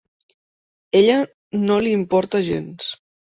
Ella no li importa gens.